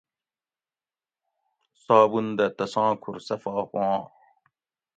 صابن دہ تساں کُھور صفا ہواں